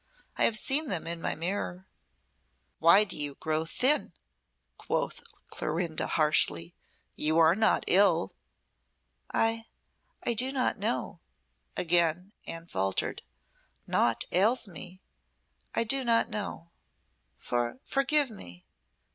I have seen them in my mirror." "Why do you grow thin?" quoth Clorinda harshly. "You are not ill." "I I do not know," again Anne faltered. "Naught ails me. I do not know. For forgive me!"